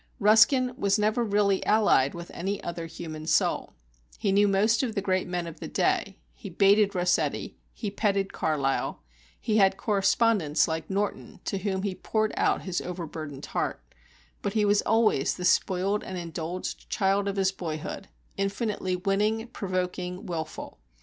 Ruskin was never really allied with any other human soul; he knew most of the great men of the day; he baited Rossetti, he petted Carlyle; he had correspondents like Norton, to whom he poured out his overburdened heart; but he was always the spoiled and indulged child of his boyhood, infinitely winning, provoking, wilful.